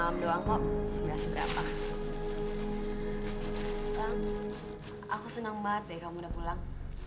senang banget ya kamu udah pulang